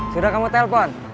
sudah kamu telpon